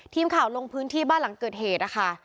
ทีมข่าวลงพื้นที่บ้านหลังเกิดเหตุนะคะ